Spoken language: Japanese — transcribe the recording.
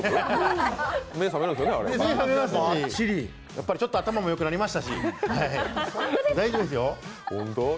やっぱりちょっと頭もよくなりましたし、大丈夫ですよ。